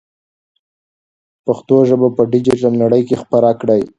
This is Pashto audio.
پښتو ژبه په ډیجیټل نړۍ کې خپره کړئ.